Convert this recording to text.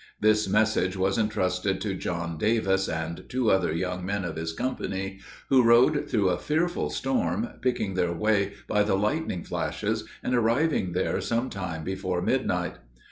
This message was intrusted to John Davis and two other young men of his company, who rode through a fearful storm, picking their way by the lightning flashes and arriving there some time before midnight.